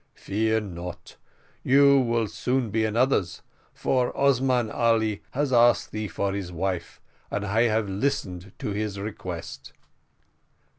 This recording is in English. Fear not, you will soon be another's, for Osman Ali has asked thee for his wife, and I have listened to his request."